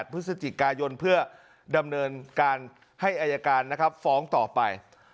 พฤศจิกายนเพื่อดำเนินการให้อายการนะครับฟ้องต่อไป